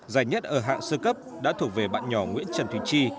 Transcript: giải nhất ở hạng sơ cấp đã thuộc về bạn nhỏ nguyễn trần thị chi